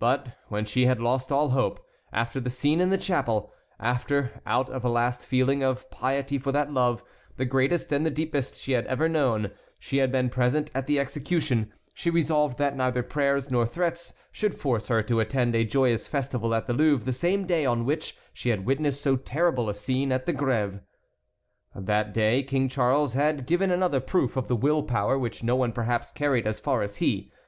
But when she had lost all hope, after the scene in the chapel, after, out of a last feeling of piety for that love, the greatest and the deepest she had ever known, she had been present at the execution, she resolved that neither prayers nor threats should force her to attend a joyous festival at the Louvre the same day on which she had witnessed so terrible a scene at the Grève. That day King Charles had given another proof of the will power which no one perhaps carried as far as he.